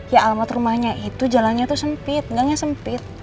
ya alamat rumahnya itu jalannya tuh sempit